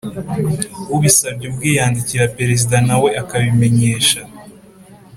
Ubisabye ubwe yandikira Perezida nawe akabimenyesha